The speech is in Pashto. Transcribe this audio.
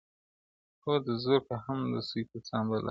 • هم د زرکو هم د سوی په ځان بلا وو -